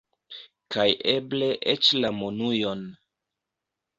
Kaj eble eĉ la monujon.